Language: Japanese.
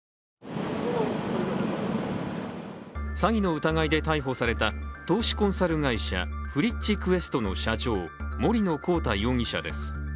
詐欺の疑いで逮捕された、投資コンサル会社、ＦＲｉｃｈＱｕｅｓｔの社長森野広太容疑者です。